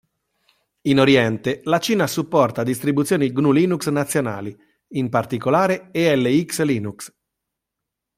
In Oriente, la Cina supporta distribuzioni GNU/Linux nazionali, in particolare Elx Linux.